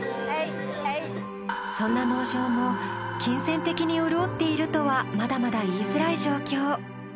そんな農場も金銭的に潤っているとはまだまだ言いづらい状況。